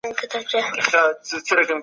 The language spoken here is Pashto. اقتصادي ستونزي دوام لري.